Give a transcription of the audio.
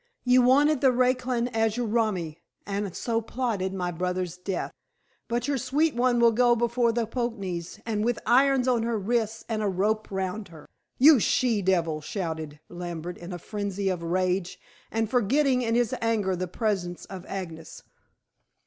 You wanted the raclan as your romi, and so plotted my brother's death. But your sweet one will go before the Poknees, and with irons on her wrists, and a rope round her " "You she devil!" shouted Lambert in a frenzy of rage, and forgetting in his anger the presence of Agnes.